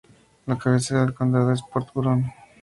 La cabecera del condado es Port Huron.